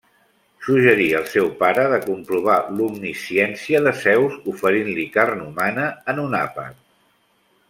Suggerí al seu pare de comprovar l'omnisciència de Zeus oferint-li carn humana en un àpat.